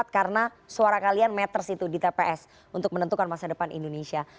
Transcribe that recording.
karena suara kalian matters itu di tps untuk menentukan masa depan indonesia